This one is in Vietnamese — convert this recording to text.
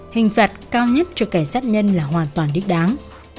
hình phạt cao nhất cho kẻ sát nhân là hoàn toàn đích đáng